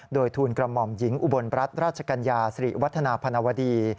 โดยทูลกระหม่อมหญิงอุบลรัฐราชกัญญาสิริวัฒนาพนวดี